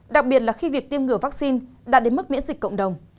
đặc biệt là khi việc tiêm ngửa vaccine đạt đến mức miễn dịch cộng đồng